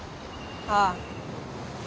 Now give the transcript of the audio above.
ああ。